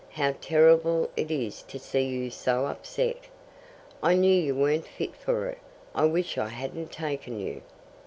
How terrible it is to see you so upset! I knew you weren't fit for it. I wish I hadn't taken you."